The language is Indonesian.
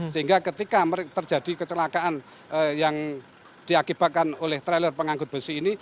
sehingga ketika terjadi kecelakaan yang diakibatkan oleh trailer pengangkut besi ini